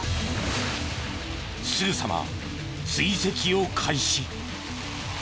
すぐさま追跡を開始。